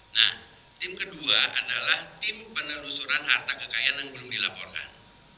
nah tim kedua adalah tim penelusuran harta kekayaan yang belum dilaporkan